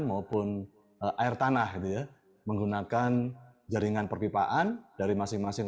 maupun air tanah gitu ya menggunakan jaringan perpipaan dari masing masing